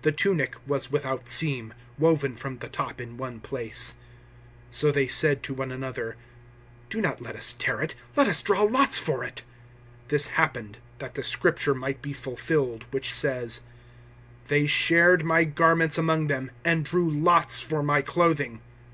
The tunic was without seam, woven from the top in one piece. 019:024 So they said to one another, "Do not let us tear it. Let us draw lots for it." This happened that the Scripture might be fulfilled which says, "They shared my garments among them, and drew lots for my clothing."